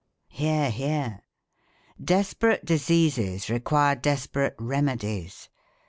(Hear! hear!) Desperate diseases require desperate remedies.